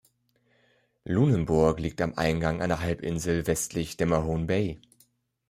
Lunenburg liegt am Eingang einer Halbinsel westlich der Mahone Bay.